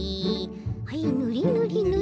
はいぬりぬりぬり。